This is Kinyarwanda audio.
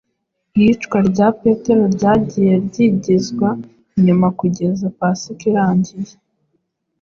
iyicwa rya Petero ryagiye ryigizwa inyuma kugeza Pasika irangiye.